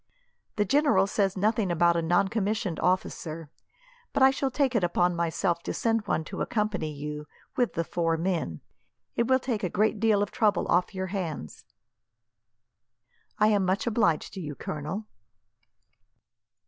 The general says nothing about a noncommissioned officer, but I shall take it upon myself to send one to accompany you, with the four men. It will take a good deal of trouble off your hands." "I am much obliged to you, Colonel."